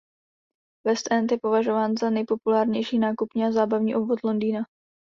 West End je považován za nejpopulárnější nákupní a zábavní obvod Londýna.